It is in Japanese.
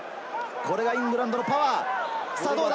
これがイングランドのパワー。